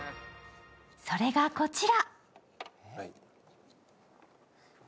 それがこちら。